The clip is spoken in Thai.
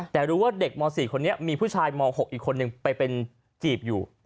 แต่รู้ว่าเด็กม๔คนนี้มีผู้ชายม๖อีกคนนึงไปเป็นจีบอยู่